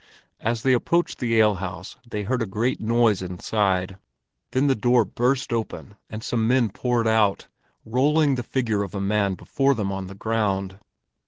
As they approached the alehouse, they heard a great noise inside. Then the door burst open, and some men poured out, rolling the figure of a man before them on the ground.